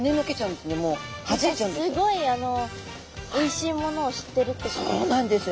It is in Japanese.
すごいおいしいものを知ってるってことですか？